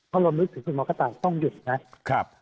ตอนนายคิดคุณมอกตาต้องหยุดนะ